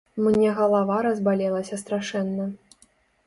Мне галава разбалелася страшэнна.